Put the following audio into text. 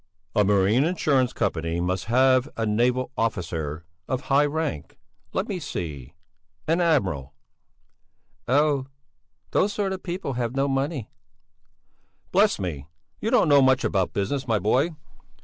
"A marine insurance company must have a naval officer of high rank. Let me see! An admiral." "Oh! Those sort of people have no money!" "Bless me! You don't know much about business, my boy!